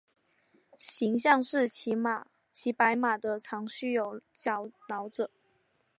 形象是骑白马的长须有角老者。